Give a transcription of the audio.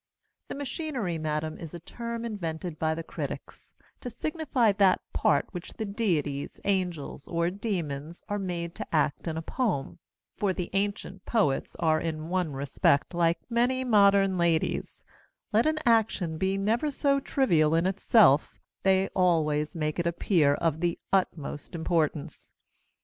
The Machinery, Madam, is a term invented by the critics, to signify that part which the Deities, Angels, or Dæmons, are made to act in a poem: for the ancient poets are in one respect like many modern ladies; let an action be never so trivial in itself, they always make it appear of the utmost importance.